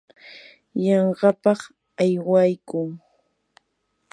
yanqapaq aywaykuu.